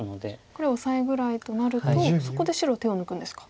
これオサエぐらいとなるとそこで白手を抜くんですか。